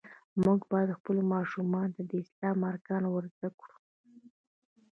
مونږ باید خپلو ماشومانو ته د اسلام ارکان ور زده کړو.